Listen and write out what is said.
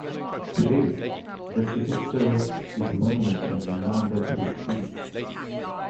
Today, the Siegestor is a monument and reminder to peace.